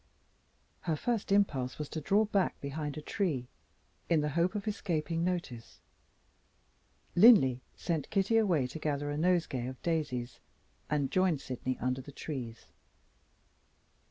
Her first impulse was to draw back behind a tree, in the hope of escaping notice. Linley sent Kitty away to gather a nosegay of daisies, and joined Sydney under the trees.